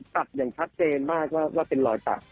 ตัดอย่างชัดเจนมากว่าเป็นรอยตัด